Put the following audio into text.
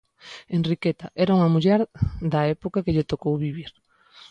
Enriqueta era unha muller da época que lle tocou vivir.